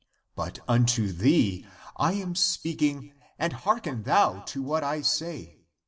^^ But unto thee I am speak ing, and hearken thou to what I say.